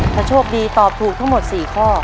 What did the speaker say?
ถ้าโชคดีตอบถูกทั้งหมด๔ข้อ